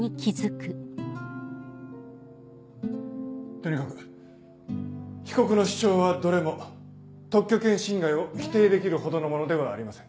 とにかく被告の主張はどれも特許権侵害を否定できるほどのものではありません。